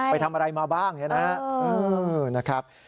ไปทำอะไรมาบ้างอย่างนี้นะ